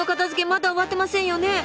まだ終わってませんよね。